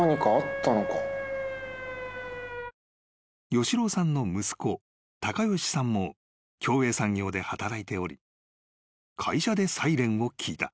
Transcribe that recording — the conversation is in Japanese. ［吉朗さんの息子嵩善さんも協栄産業で働いており会社でサイレンを聞いた］